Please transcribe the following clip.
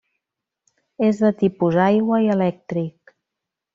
És de tipus aigua i elèctric.